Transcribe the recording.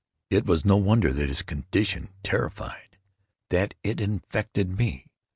It was no wonder that his condition terrified—that it infected me.